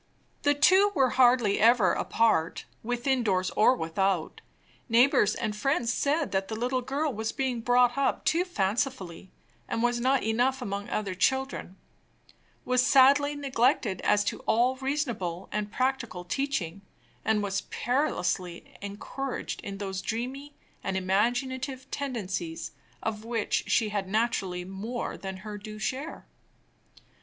The two were hardly ever apart, within doors or without. Neighbors and friends said that the little girl was being brought up too fancifully, and was not enough among other children, was sadly neglected as to all reasonable and practical teaching, and was perilously encouraged in those dreamy and imaginative tendencies of which she had naturally more than her due share.